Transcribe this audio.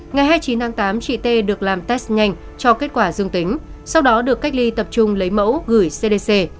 ngày hai mươi chín tháng tám chị t được làm test nhanh cho kết quả dương tính sau đó được cách ly tập trung lấy mẫu gửi cdc